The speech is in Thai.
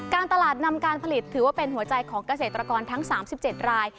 การตลาดนำการผลิตถือว่าเป็นหัวใจของเกษตรกรทั้ง๓๗ราย